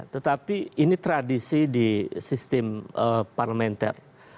tetapi ini tradisi di sistem parlementer